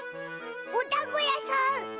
おだんごやさん。